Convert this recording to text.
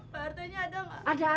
pak rt nya ada gak